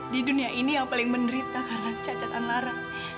di dunia ini yang paling menderita karena cacatan lara